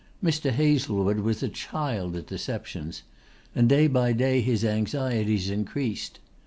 Mr. Hazlewood was a child at deceptions; and day by day his anxieties increased.